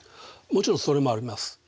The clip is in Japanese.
もちろんそれもあります。